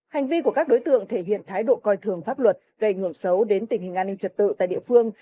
hành vi của các đối tượng thể hiện thái độ coi thường pháp luật gây ảnh hưởng xấu đến tình hình an ninh trật tự tại địa phương